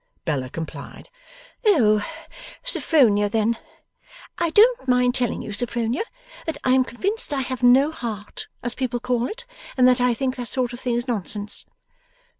Bella complied. 'Oh! Sophronia then I don't mind telling you, Sophronia, that I am convinced I have no heart, as people call it; and that I think that sort of thing is nonsense.